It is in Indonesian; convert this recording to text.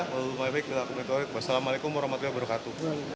wassalamu'alaikum warahmatullahi wabarakatuh